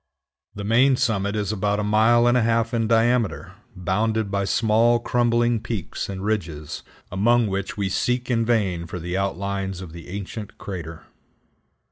The main summit is about a mile and a half in diameter, bounded by small crumbling peaks and ridges, among which we seek in vain for the outlines of the ancient crater.